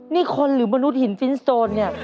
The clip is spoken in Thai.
นี่คนหรือมนุษย์หินฟิ้นโซนเนี่ย